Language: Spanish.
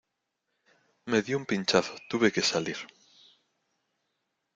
me dio un pinchazo, tuve que salir...